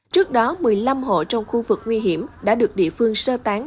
trước đó một mươi năm hộ trong khu vực nguy hiểm đã được địa phương sơ tán